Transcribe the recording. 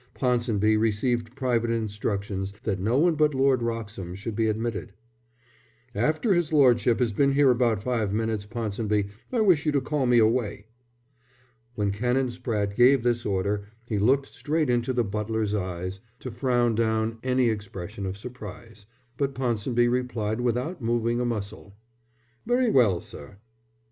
Ponsonby received private instructions that no one but Lord Wroxham should be admitted. "And after his lordship has been here about five minutes, Ponsonby, I wish you to call me away." When Canon Spratte gave this order he looked straight into the butler's eyes to frown down any expression of surprise; but Ponsonby replied without moving a muscle. "Very well, sir."